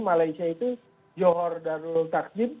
malaysia itu johor darul takjib